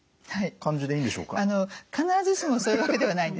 あの必ずしもそういうわけではないんですね。